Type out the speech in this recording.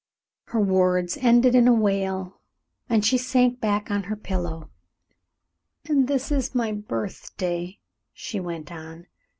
Her words ended in a wail, and she sank back on her pillow. "And this is my birthday," she went on.